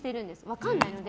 分からないので。